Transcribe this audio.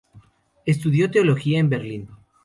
Estudió teología en Berlín.